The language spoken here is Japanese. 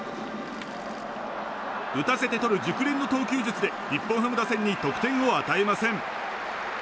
打たせてとる熟練の投球術で日本ハム打線に得点を与えません。